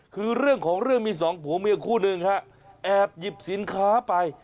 คือเรื่องของเรื่องมีสองผัวเมียคู่หนึ่งฮะแอบหยิบสินค้าไป